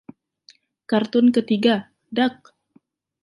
Kartun ketiga, Duck!